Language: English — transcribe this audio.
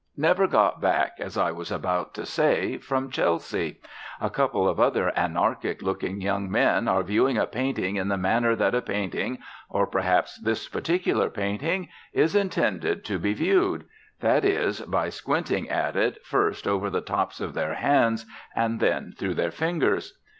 Never got back, as I was about to say, from Chelsea. A couple of other anarchic looking young men are viewing a painting in the manner that a painting, or perhaps this particular painting, is intended to be viewed; that is by squinting at it first over the tops of their hands and then through their fingers.